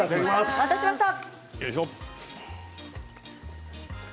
お待たせしました。